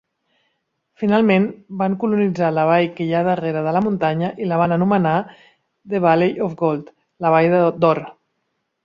Finalment van colonitzar la vall que hi ha darrere de la muntanya i la van anomenar the Valley of Gold (la vall d'or).